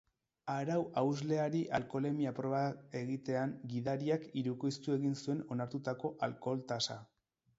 Arau-hausleari alkoholemia-proba egitean, gidariak hirukoiztu egin zuen onartutako alkohol-tasa.